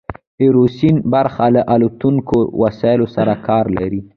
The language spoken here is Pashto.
ایرو سپیس برخه له الوتونکو وسایلو سره کار لري.